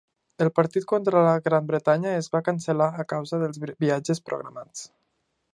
El partit contra la Gran Bretanya es va cancel·lar a causa dels viatges programats.